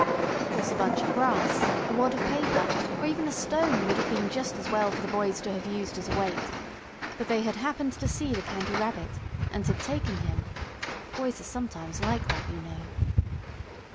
Of course a bunch of grass, a wad of paper, or even a stone would have been just as well for the boys to have used as a weight. But they had happened to see the Candy Rabbit, and had taken him. Boys are sometimes like that, you know.